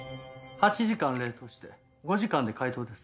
８時間冷凍して５時間で解凍です。